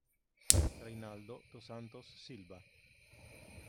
Reynaldo dos Santos Silva